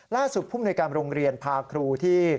ล่าสุดภูมิในการโรงเรียนพาครูที่